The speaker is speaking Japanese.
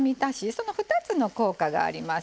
その２つの効果があります。